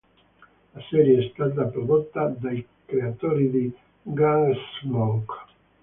La serie è stata prodotta dai creatori di Gunsmoke.